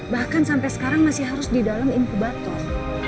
bahkan sampai sekarang masih harus di dalam inkubator